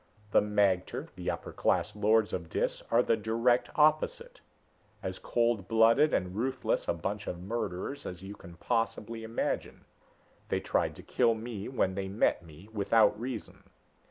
The magter, the upper class lords of Dis, are the direct opposite. As cold blooded and ruthless a bunch of murderers as you can possibly imagine. They tried to kill me when they met me, without reason.